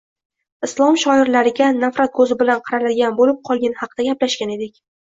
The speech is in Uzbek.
Islom shiorlariga nafrat ko‘zi bilan qaraladigan bo‘lib qolgani haqida gaplashgan edik.